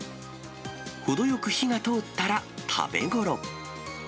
程よく火が通ったら、食べごろ。